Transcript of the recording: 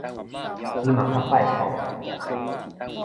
你嘛較拜託的